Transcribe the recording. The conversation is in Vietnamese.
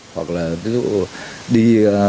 hoặc là ví dụ đi